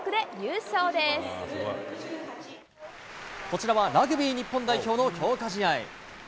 こちらは、ラグビー日本代表の強化試合。